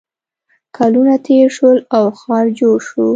کلونه تېر شول او ښار جوړ شو